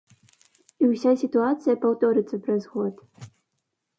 І ўся сітуацыя паўторыцца праз год.